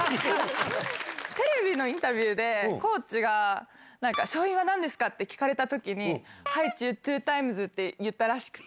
テレビのインタビューで、コーチが、なんか、勝因はなんですか？って聞かれたときに、ハイチュウ２タイムズって言ったらしくて。